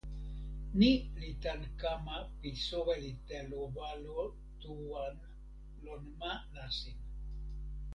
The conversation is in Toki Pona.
ni li tan kama pi soweli telo walo tu wan lon ma nasin.